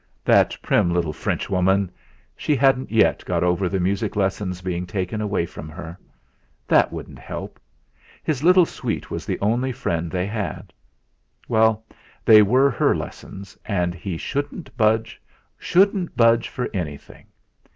That prim little Frenchwoman! She hadn't yet got over the music lessons being taken away from her. That wouldn't help. His little sweet was the only friend they had. Well, they were her lessons. And he shouldn't budge shouldn't budge for anything.